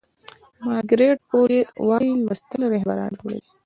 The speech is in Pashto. مارګریت فو لیر وایي لوستل رهبران جوړوي.